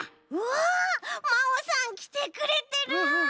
わまおさんきてくれてる！